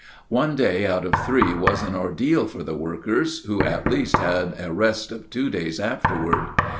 One day out of three was an ordeal for the workers, who at least had a rest of two days afterward.